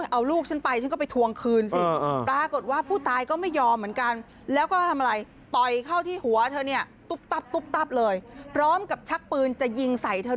เอาลูกฉันไปฉันก็ไปทวงคืน